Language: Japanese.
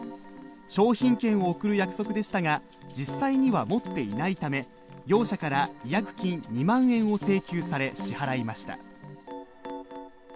商品券を送る約束でしたが、実際には持っていないため業者から違約金２万円を請求され支払いました。